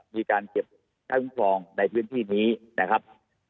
มีการเก็บค่าคุ้มครองในพื้นที่นี้นะครับ